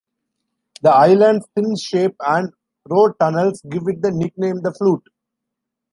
The island's thin shape and road-tunnels give it the nickname "the flute".